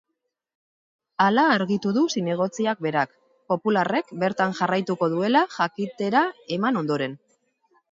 Hala argitu du zinegotziak berak, popularrek bertan jarraituko duela jakitera eman ondoren.